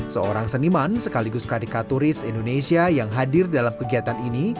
seorang seniman sekaligus kadeka turis indonesia yang hadir dalam kegiatan ini